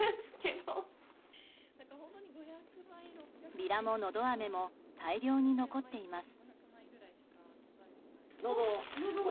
ビラも、のど飴も大量に残っています。